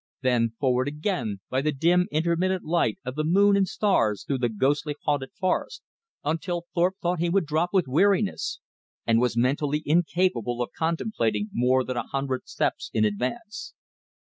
Then forward again by the dim intermittent light of the moon and stars through the ghostly haunted forest, until Thorpe thought he would drop with weariness, and was mentally incapable of contemplating more than a hundred steps in advance.